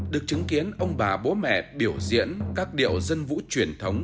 được chứng kiến ông bà bố mẹ biểu diễn các điệu dân vũ truyền thống